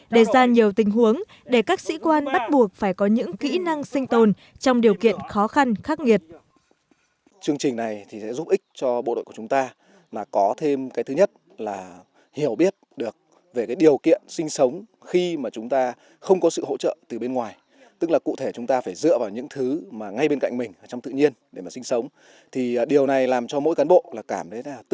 để ra nhiều tình huống để các sĩ quan bắt buộc phải có những kỹ năng sinh tồn trong điều kiện khó khăn khắc nghiệt